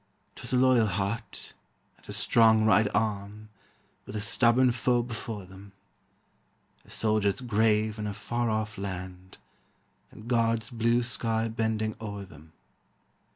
'Twas a loyal heart, and a strong right arm, With a stubborn foe before them; A soldier's grave in a far off land, And God's blue sky bending o'er them.